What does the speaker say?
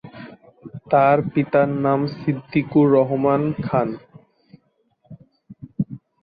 তার পিতার নাম সিদ্দিকুর রহমান খান।